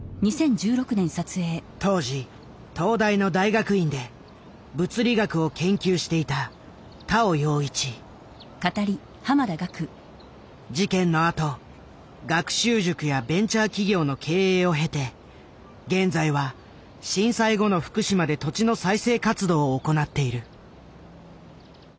当時東大の大学院で物理学を研究していた事件のあと学習塾やベンチャー企業の経営を経て現在は震災後の福島で土地の再生活動を行っている。